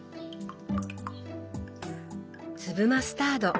粒マスタード。